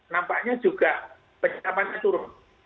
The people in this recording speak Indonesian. nampaknya juga penyerapan turun